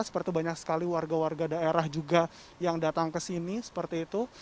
seperti itu banyak sekali warga warga daerah juga yang datang ke sini seperti itu